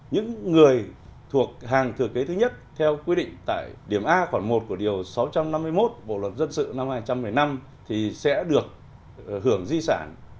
những người thuộc hàng thừa kế thứ nhất theo quy định tại điểm a khoảng một của điều sáu trăm năm mươi một bộ luật dân sự năm hai nghìn một mươi năm thì sẽ được hưởng duy sản